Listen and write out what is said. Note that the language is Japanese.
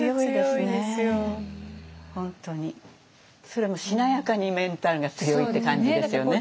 それもしなやかにメンタルが強いって感じですよね。